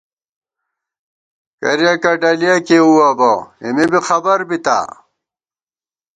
کریَکہ ڈلیَہ کېؤوَبہ ، اېمے بی خبر بِتا